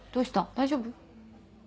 大丈夫？